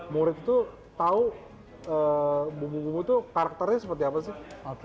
murid itu tahu bumbu bumbu itu karakternya seperti apa sih